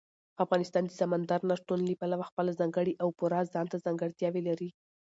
افغانستان د سمندر نه شتون له پلوه خپله ځانګړې او پوره ځانته ځانګړتیاوې لري.